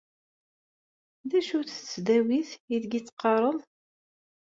D acu-tt tesdawit aydeg teqqareḍ?